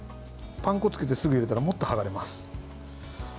パン粉をつけてすぐに入れたらもっとはがれます。